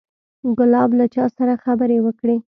ګلاب له چا سره خبرې وکړې.